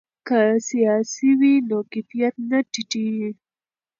که سیالي وي نو کیفیت نه ټیټیږي.